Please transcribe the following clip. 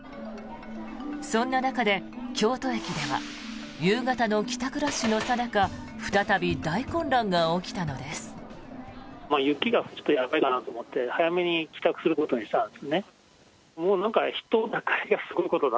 そんな中で、京都駅では夕方の帰宅ラッシュのさなか再び大混乱が起きたのです。